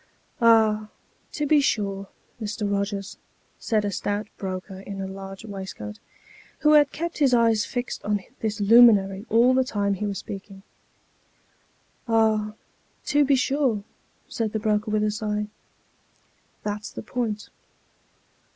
" Ah, to be sure, Mr. Kogers," said a stout broker in a large waist coat, who had kept his eyes fixed on this luminary all the time he was speaking. " Ah, to be sure," said the broker with a sigh, " that's the point."